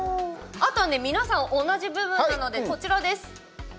あとは皆さん同じ部分なので、こちらです。